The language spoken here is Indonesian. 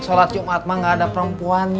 sholat jumat mah nggak ada perempuannya